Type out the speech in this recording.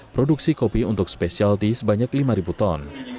produksi kopi untuk spesialty sebanyak lima ton